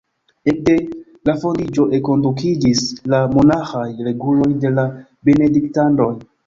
Ekde la fondiĝo enkondukiĝis la monaĥaj reguloj de la benediktanoj.